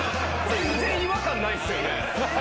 全然違和感ないっすよね。